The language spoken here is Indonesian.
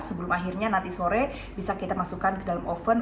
sebelum akhirnya nanti sore bisa kita masukkan ke dalam oven